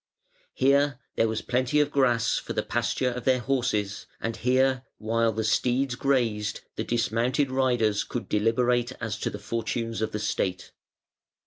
Here there was plenty of grass for the pasture of their horses, and here, while the steeds grazed, the dismounted riders could deliberate as to the fortunes of the state.